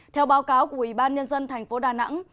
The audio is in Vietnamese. theo báo cáo của ủy ban nhân dân tp đà nẵng